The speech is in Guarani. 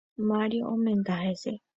Mario omenda hese.